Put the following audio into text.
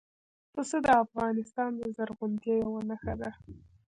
پسه د افغانستان د زرغونتیا یوه نښه ده.